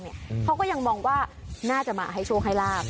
เขาก็ยังมองว่าน่าจะมาให้โชคให้ลาบ